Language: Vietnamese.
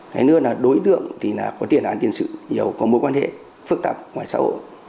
cái nữa là đối tượng thì có tiền án tiền sự nhiều có mối quan hệ phức tạp ngoài xã hội